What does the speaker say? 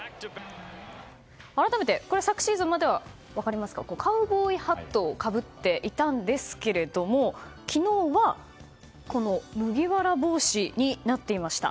改めて、昨シーズンまではカウボーイハットをかぶっていたんですけれども昨日はこの麦わら帽子になっていました。